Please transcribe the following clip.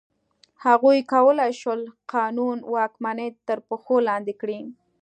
هغوی کولای شول قانون واکمني تر پښو لاندې کړي.